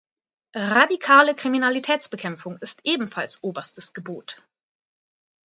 Radikale Kriminalitätsbekämpfung ist ebenfalls oberstes Gebot.